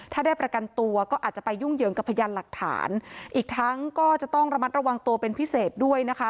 ถ้าได้ประกันตัวก็อาจจะไปยุ่งเหยิงกับพยานหลักฐานอีกทั้งก็จะต้องระมัดระวังตัวเป็นพิเศษด้วยนะคะ